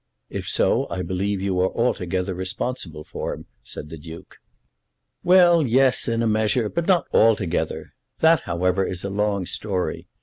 "If so, I believe you are altogether responsible for him," said the Duke. "Well, yes, in a measure; but not altogether. That, however, is a long story.